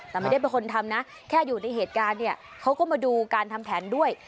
แต่ไม่ได้เป็นคนทำนะแค่อยู่ในเหตุการณ์เนี่ยเขาก็มาดูการทำแผนด้วย